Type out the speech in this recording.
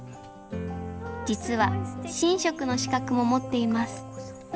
実は神職の資格も持っています。